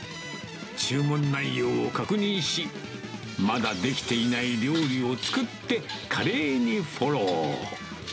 注文内容を確認し、まだ出来ていない料理を作って、華麗にフォロー。